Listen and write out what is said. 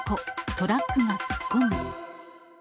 トラックが突っ込む。